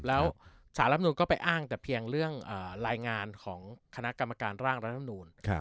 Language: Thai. แล้วสารรับนูนก็ไปอ้างแต่เพียงเรื่องรายงานของคณะกรรมการร่างรัฐมนูล